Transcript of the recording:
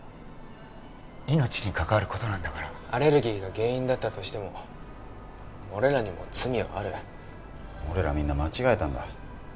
命に関わることなんだからアレルギーが原因だったとしても俺らにも罪はある俺らみんな間違えたんだ